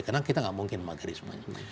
karena kita gak mungkin magari semuanya